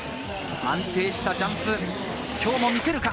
安定したジャンプを今日も見せるか？